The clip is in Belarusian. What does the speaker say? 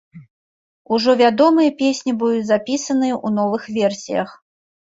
Ужо вядомыя песні будуць запісаныя ў новых версіях.